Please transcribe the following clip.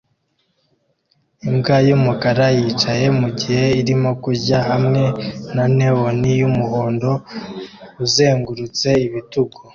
Imbwa yumukara yicaye mugihe irimo kurya hamwe na neon yumuhondo uzengurutse ibitugu